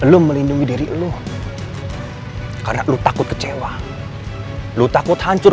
lu melindungi diri lo karena lu takut kecewa lu takut hancur